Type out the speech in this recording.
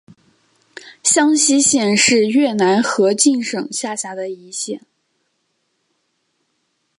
香溪县是越南河静省下辖的一县。